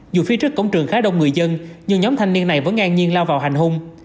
dù phía trước cổng trường khá đông người dân nhưng nhóm thanh niên này vẫn ngang nhiên lao vào hành hung